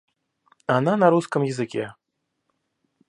Она на русском языке